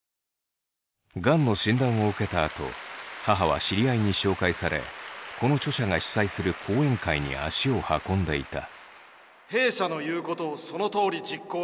がんの診断を受けたあと母は知り合いに紹介されこの著者が主催する講演会に足を運んでいた。